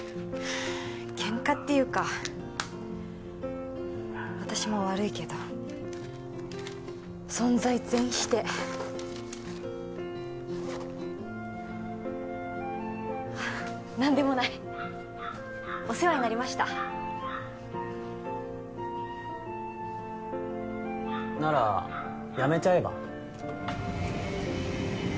ケンカっていうか私も悪いけど存在全否定なんでもないお世話になりましたならやめちゃえば？